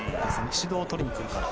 指導を取りに来る。